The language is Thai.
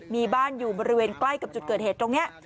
มีบ้านอยู่บริเวณใกล้กับจุดเกิดเหตุตรงนี้